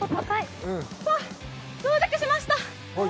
到着しました。